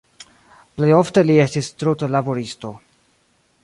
Plej ofte li estis trudlaboristo.